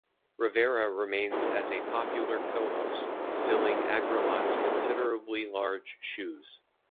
Rivera remains as a popular co-host, filling Agrelot's considerably large shoes.